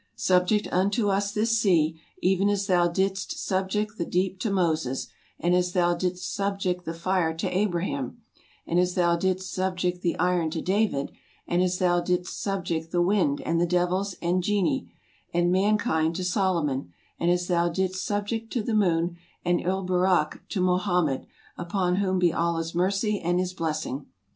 Subject unto us this sea, even as thou didst subject the deep to Moses, and as thou didst subject the fire to Abraham, and as thou didst subject the iron to David, and as thou didst subject the wind, and the devils, and genii, and mankind to Solomon, and as thou didst subject the moon and El Burak to Mo hammed, upon whom be Allah's mercy and His blessing!